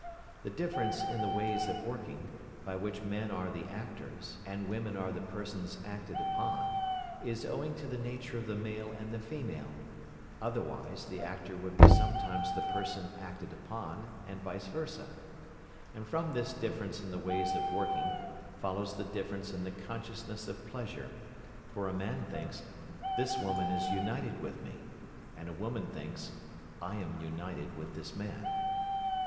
The difference in the ways of working, by which men are the actors, and women are the persons acted upon, is owing to the nature of the male and the female, otherwise the actor would be sometimes the person acted upon, and vice versâ. And from this difference in the ways of working follows the difference in the consciousness of pleasure, for a man thinks, "this woman is united with me," and a woman thinks, "I am united with this man."